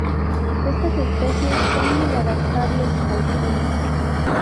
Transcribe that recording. Estas especies son muy adaptables al clima.